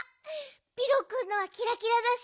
ピロくんのはキラキラだし